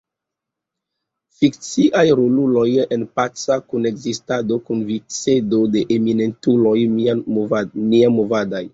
Fikciaj roluloj en paca kunekzistado kun vicedo da eminentuloj niamovadaj.